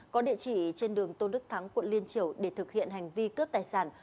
có địa chỉ trên đường tôn đức thắng quận liên triều để thực hiện hành vi cướp tài sản